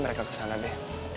mereka kesana be